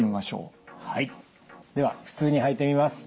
では普通に履いてみます。